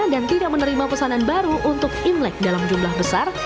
dan tidak menerima pesanan baru untuk imlek dalam jumlah besar